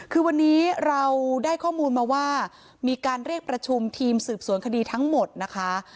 คือวันนี้เราได้ข้อมูลมาว่ามีการเรียกประชุมทีมสืบสวนคดีทั้งหมดนะคะ